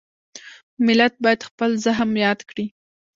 ملت باید خپل زخم یاد کړي.